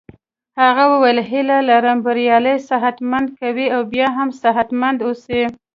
هغه وویل هیله لرم بریالی صحت مند قوي او بیا هم صحت مند اوسې.